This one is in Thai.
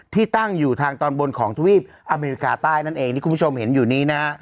ที่ตั้งอยู่ทางตอนบนของทวีปอเมริกาใต้นั่นเองที่คุณผู้ชมเห็นอยู่นี้นะฮะ